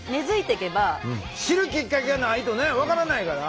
知るきっかけがないとね分からないから。